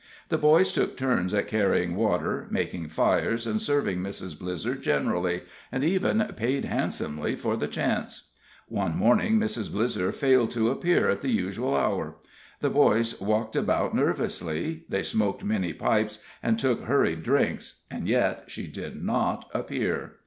The boys took turns at carrying water, making fires, and serving Mrs. Blizzer generally, and even paid handsomely for the chance. One morning Mrs. Blizzer failed to appear at the usual hour. The boys walked about nervously they smoked many pipes, and took hurried drinks, and yet she did not appear.